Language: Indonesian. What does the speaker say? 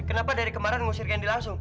kenapa dari kemarin ngusir gendi langsung